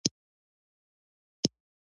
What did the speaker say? عبدالکریم خرم،